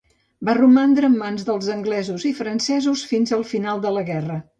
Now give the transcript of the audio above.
Va romandre en mans dels anglesos i francesos fins al final de la guerra.